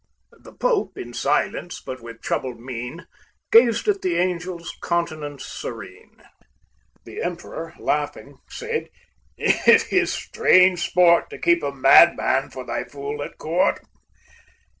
The Pope in silence, but with troubled mien, Gazed at the Angel's countenance serene; The Emperor, laughing said, "It is strange sport To keep a madman for thy fool at court!"